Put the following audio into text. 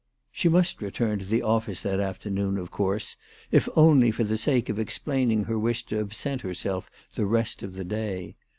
She must return to the office that afternoon, of course, if only for the sake of explaining her wish to absent herself the rest of the day.